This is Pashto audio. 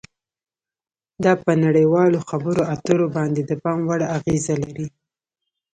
دا په نړیوالو خبرو اترو باندې د پام وړ اغیزه لري